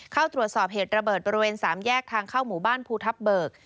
เข้าตรวจสอบเหตุระเบิดบริเวณ๓แยกทางเข้าหมู่บ้านภูทับเบิก